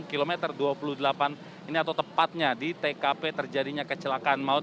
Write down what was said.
kilometer dua puluh delapan ini atau tepatnya di tkp terjadinya kecelakaan maut